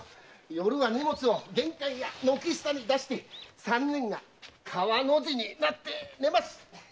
夜は荷物を玄関や軒下に出して三人が川の字になって寝ます。